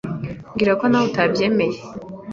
Mbwira ko nawe utabyemera.